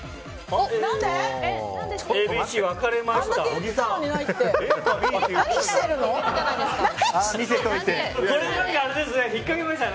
Ａ、Ｂ、Ｃ、分かれました。